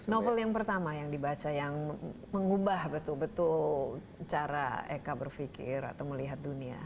novel yang pertama yang dibaca yang mengubah betul betul cara eka berpikir atau melihat dunia